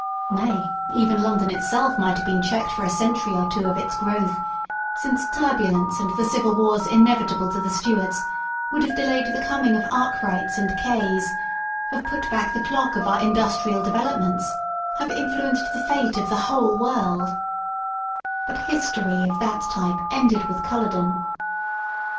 Nay, even London itself might have been checked for a century or two of its grow th, since turbulence and the civil wars inevitable to the Stuarts would have delayed the coming of Arkwrights and Kays, have put back the clock of our industrial de velopments, have influenced the fate of the whole world But history of that type ended with Culloden.